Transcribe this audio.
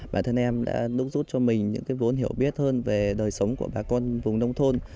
bản thân em đã đúc rút cho mình những cái vốn hiểu biết hơn về đời sống của bà con vùng nông thôn